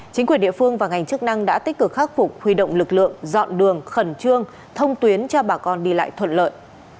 chính quyền địa phương và ngành chức năng đã tích cực khắc phục huy động lực lượng dọn đường khẩn trương thông tuyến cho bà con đi lại thuận lợi